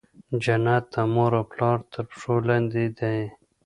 جنت د مور او پلار تر پښو لاندي دی.